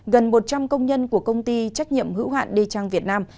gần một trăm linh công nhân của công ty trách nhiệm hữu hạn đê trang việt nam